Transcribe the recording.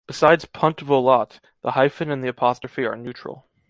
Besides “punt volat”, the hyphen and the apostrophe are “neutral”.